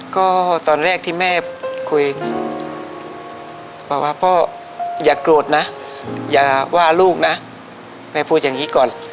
ก็ตอนแรกที่แม่คุยบอกว่าพ่ออย่าโกรธนะอย่าว่าลูกนะแม่พูดอย่างนี้ก่อน